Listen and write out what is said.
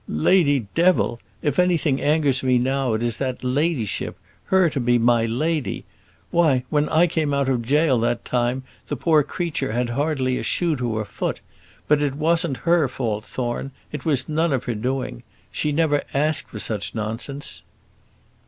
"Lady Devil! If anything angers me now it is that 'ladyship' her to be my lady! Why, when I came out of jail that time, the poor creature had hardly a shoe to her foot. But it wasn't her fault, Thorne; it was none of her doing. She never asked for such nonsense."